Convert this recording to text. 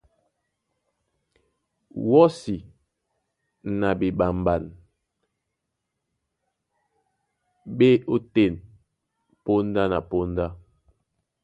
Wɔ́si na ɓeɓamɓan ɓá e ótên póndá na póndá.